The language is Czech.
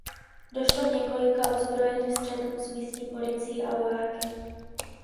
Došlo k několika ozbrojeným střetům s místní policií a vojáky.